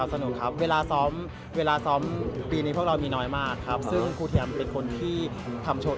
สนุกครับเวลาซ้อมเวลาซ้อมปีนี้พวกเรามีน้อยมากครับซึ่งครูเทียมเป็นคนที่ทำโชว์